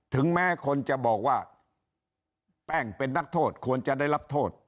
ถึงแม้คนจะบอกว่าแป้งเป็นนักโทษควรจะได้รับโทษ